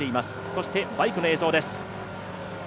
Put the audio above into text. そしてバイクの映像です。